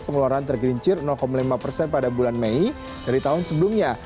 pengeluaran tergelincir lima persen pada bulan mei dari tahun sebelumnya